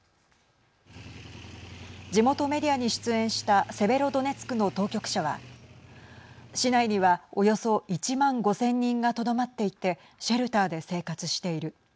地元メディアに出演したセベロドネツクの当局者は市内にはおよそ１万５０００人がとどまっていてシェルターで生活している。